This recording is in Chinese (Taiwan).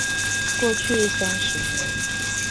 過去三十年